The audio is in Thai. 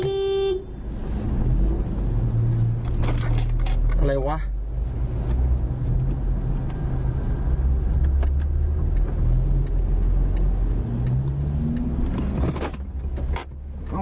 เป็นอะไรวะเนี่ย